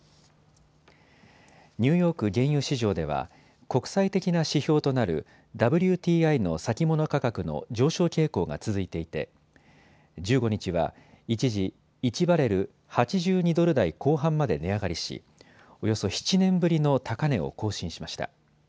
ニューヨーク原油市場では国際的な指標となるＷＴＩの先物価格の上昇傾向が続いていて１５日は一時、１バレル８２ドル台後半まで値上がりしおよそ７年ぶりの高値を更新しました。